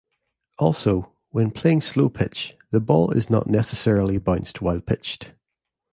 Also, when playing slow pitch, the ball is not necessarily bounced while pitched.